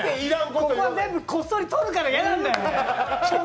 ここは全部こっそり撮るから嫌なんだよ！